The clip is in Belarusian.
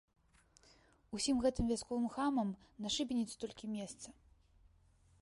Усім гэтым вясковым хамам на шыбеніцы толькі месца!